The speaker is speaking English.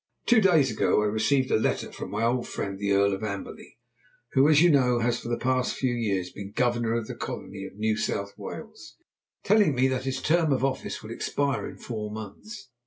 Two days ago I received a letter from my old friend, the Earl of Amberley, who, as you know, has for the past few years been Governor of the colony of New South Wales, telling me that his term of office will expire in four months.